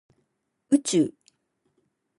宇宙